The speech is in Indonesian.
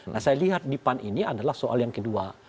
nah saya lihat di pan ini adalah soal yang kedua